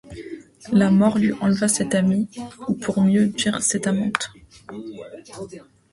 La mort lui enleva cette amie, ou, pour mieux dire cette amante.